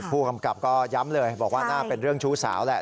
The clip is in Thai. ผู้กำกับก็ย้ำเลยบอกว่าน่าเป็นเรื่องชู้สาวแหละ